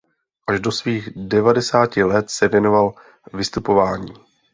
Až do svých devadesáti let se věnoval vystupování.